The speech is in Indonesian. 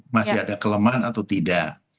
masih ada kelemahan atau tidak